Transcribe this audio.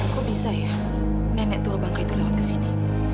kok bisa ya nenek tua bangka itu lewat ke sini